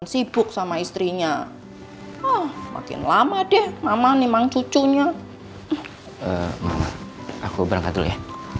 sibuk sama istrinya oh makin lama deh mama nih mang cucunya aku berangkat ya